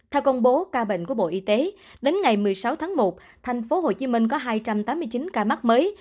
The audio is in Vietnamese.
theo công bố ca bệnh của bộ y tế đến ngày một mươi sáu tháng một thành phố hồ chí minh có hai trăm tám mươi chín ca mắc mới